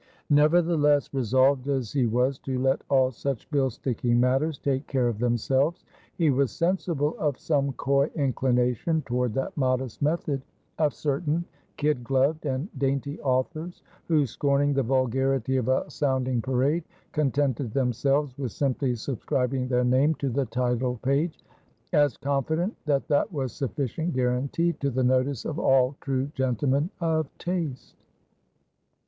Nevertheless, resolved as he was to let all such bill sticking matters take care of themselves, he was sensible of some coy inclination toward that modest method of certain kid gloved and dainty authors, who scorning the vulgarity of a sounding parade, contented themselves with simply subscribing their name to the title page; as confident, that that was sufficient guarantee to the notice of all true gentlemen of taste.